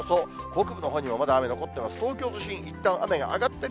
北部のほうにもまだ雨残っています。